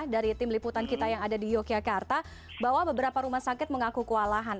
dari tim liputan kita yang ada di yogyakarta bahwa beberapa rumah sakit mengaku kewalahan